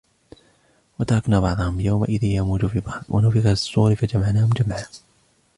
وتركنا بعضهم يومئذ يموج في بعض ونفخ في الصور فجمعناهم جمعا